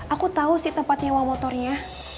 aku tahu sih tempat nyewa motornya